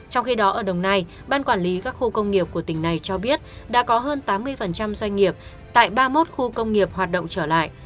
trong khi đó ở đồng nai ban quản lý các khu công nghiệp của tỉnh này cho biết đã có hơn tám mươi doanh nghiệp tại ba mươi một khu công nghiệp hoạt động trở lại